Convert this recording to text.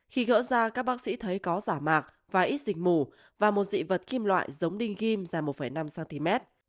khi gỡ ra các bác sĩ thấy có giả mạc và ít dịch mù và một dị vật kim loại giống đinh kim dài một năm cm